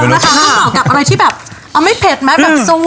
ต้องเหมาะกับอะไรที่แบบเอาไม่เผ็ดไหมแบบสวรรค์